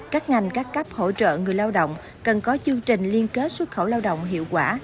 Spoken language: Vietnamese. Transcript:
các ngành các cấp hỗ trợ người lao động cần có chương trình liên kết xuất khẩu lao động hiệu quả